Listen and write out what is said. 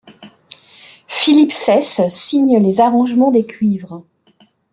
Philippe Saisse signe les arrangements des cuivres.